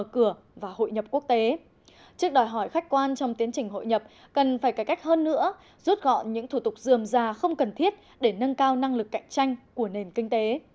trước đòi hỏi khách quan trong tiến trình hội nhập cần phải cải cách hơn nữa rút gọn những thủ tục dườm già không cần thiết để nâng cao năng lực cạnh tranh của nền kinh tế